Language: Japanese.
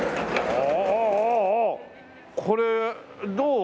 これどう？